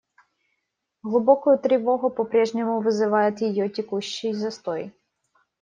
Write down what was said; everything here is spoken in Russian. Глубокую тревогу по-прежнему вызывает ее текущий застой.